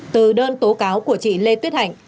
từ đơn tố cáo của chị lê tuyết hạnh